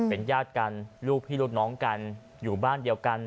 เป็นญาติกันลูกพี่ลูกน้องกันอยู่บ้านเดียวกัน